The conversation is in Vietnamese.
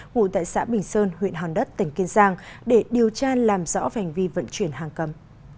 ngụ tại xã bình sơn huyện hòn đất tỉnh kiên giang để điều tra làm rõ về hành vi vận chuyển hàng cầm